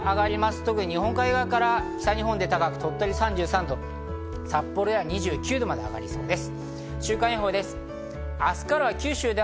特に日本海側から北日本で鳥取が３３度、札幌は２９度まで上がりそうです。